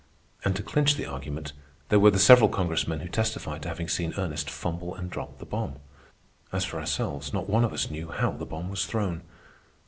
And to clinch the argument, there were the several Congressmen who testified to having seen Ernest fumble and drop the bomb. As for ourselves, not one of us knew how the bomb was thrown.